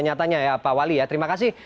nyatanya ya pak wali ya terima kasih